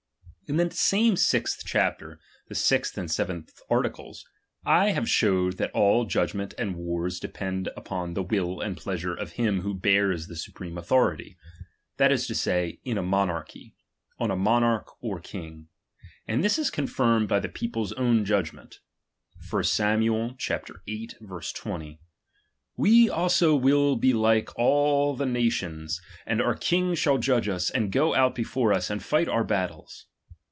In the same sixth chapter, the sixth and "f seventh articles, I have showed that all judgment and wars depend upon the will and pleasure of ■'■ him who bears the supreme authority ; that is to Bay, in a monarchy, on a monarch or king ; and this is confirmed by the people's own judgment. 1 Sara. viii. 20 ; We also will be like all the na tions, and our king shall judge us, and go out before us, and fight our battles.